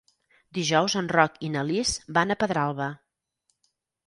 Dijous en Roc i na Lis van a Pedralba.